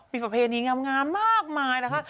มีประเพณีงามมากมายนะคะ